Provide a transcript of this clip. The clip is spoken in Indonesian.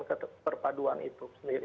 maka kita harus melibatkan perpaduan itu sendiri